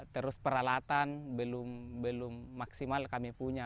terus peralatan belum maksimal kami punya